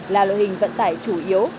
là loại hình vận tải chủ yếu